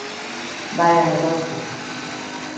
Vaia negocio!